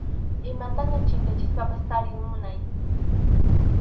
Imataña chinkachispapas tariy munay.